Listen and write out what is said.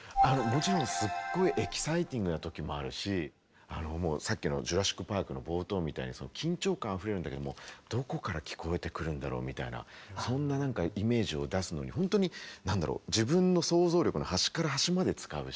もちろんすっごいエキサイティングなときもあるしもうさっきの「ジュラシック・パーク」の冒頭みたいに緊張感あふれるんだけどもどこから聞こえてくるんだろうみたいなそんななんかイメージを出すのに本当になんだろう